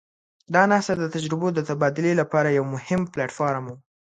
دا ناسته د تجربو د تبادلې لپاره یو مهم پلټ فارم وو.